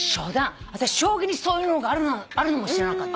私将棋にそういうのがあるのも知らなかった。